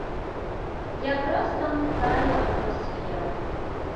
Як раз там тая атмасфера.